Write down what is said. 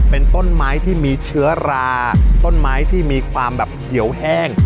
เป็นต้นไม้ที่มีเชื้อราต้นไม้ที่มีความแบบเขียวแห้ง